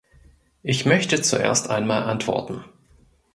Ich möchte zuerst einmal antworten.